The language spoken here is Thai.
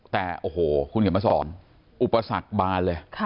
แต่โอ้โหคุณเห็นประสอบอุปสรรคบานเลยค่ะ